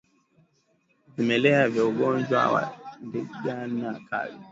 Vimelea vya ugonjwa wa ndigana kali